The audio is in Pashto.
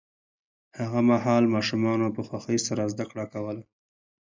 هغه مهال ماشومانو په خوښۍ سره زده کړه کوله.